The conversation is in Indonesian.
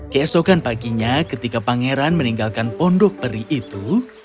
keesokan paginya ketika pangeran meninggalkan pondok peri itu